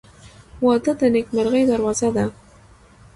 • واده د نیکمرغۍ دروازه ده.